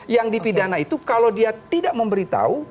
yang dipidana itu kalau dia tidak memberitahu